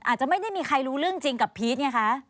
อาจจะไม่ได้มีใครรู้เรื่องจริงกับพีชไงคะ